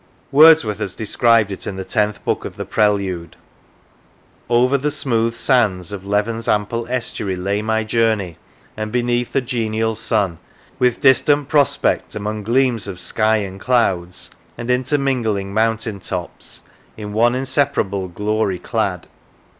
Wordsworth has described it in the Tenth Book of the Prelude: Over the smooth sands Of Leven's ample estuary lay My journey, and beneath a genial sun, With distant prospect among gleams of sky And clouds, and intermingling mountain tops, In one inseparable glory clad.